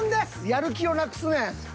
やる気をなくすねん。